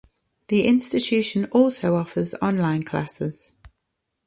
The institution also offers online classes.